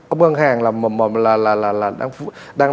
ông ngân hàng